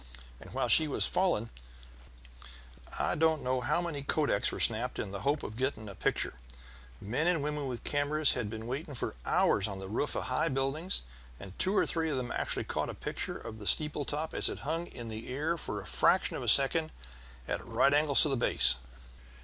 And while she was falling I don't know how many kodaks were snapped in the hope of getting a picture; men and women with cameras had been waiting for hours on the roofs of high buildings, and two or three of them actually caught a picture of the steeple top as it hung in the air for a fraction of a second at right angles to the base."